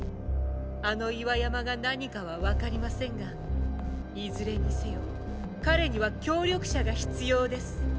あの岩山が何かは分かりませんがいずれにせよ彼には協力者が必要です。